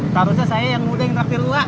tarusnya saya yang muda yang ngeraktir wah